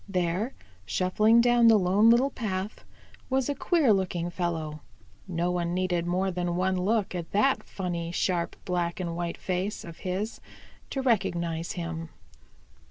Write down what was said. There, shuffling down the Lone Little Path, was a queer looking fellow. No one needed more than one look at that funny, sharp, black and white face of his to recognize him.